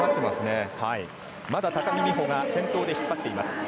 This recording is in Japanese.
まだ高木美帆先頭で引っ張っています。